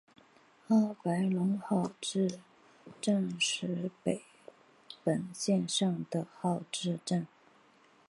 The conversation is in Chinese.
奥白泷号志站石北本线上的号志站。